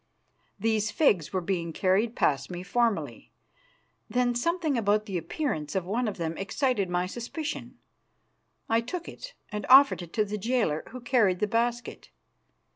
These figs were being carried past me formally, when something about the appearance of one of them excited my suspicion. I took it and offered it to the jailer who carried the basket.